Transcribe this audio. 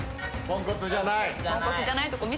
ポンコツじゃないとこ見せて。